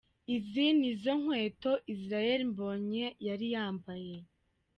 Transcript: Izi ni zo nkweto Israel Mbonyi yari yambaye.